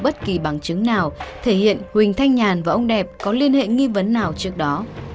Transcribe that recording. bất kỳ bằng chứng nào thể hiện huỳnh thanh nhàn và ông đẹp có liên hệ nghi vấn nào trước đó